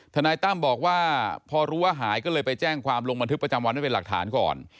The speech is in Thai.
นายตั้มบอกว่าพอรู้ว่าหายก็เลยไปแจ้งความลงบันทึกประจำวันไว้เป็นหลักฐานก่อน